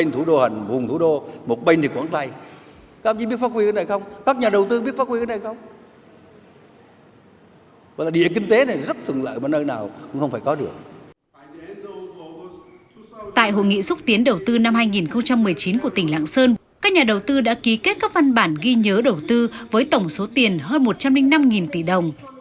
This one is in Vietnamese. tại hội nghị xúc tiến đầu tư năm hai nghìn một mươi chín của tỉnh lạng sơn các nhà đầu tư đã ký kết các văn bản ghi nhớ đầu tư với tổng số tiền hơn một trăm linh năm tỷ đồng